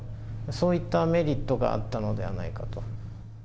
そういったメリットがあったのではないかと。